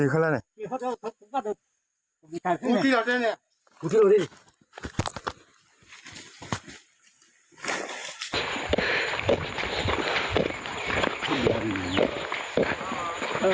คือตอนนี้อ่ะ